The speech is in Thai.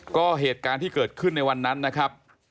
ก็เหตุการณ์ที่เกิดขึ้นในวันนั้นนะครับ